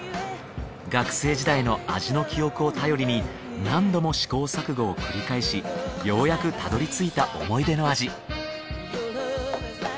学生時代の味の記憶を頼りに何度も試行錯誤を繰り返しようやくたどり着いた思い出の味